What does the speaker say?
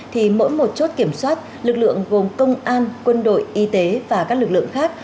thì mỗi một chốt kiểm soát lực lượng gồm công an quân đội y tế và các lực lượng khác